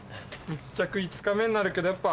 密着５日目になるけどやっぱ。